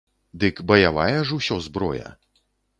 Дык баявая ж усё зброя.